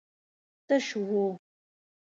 تش و.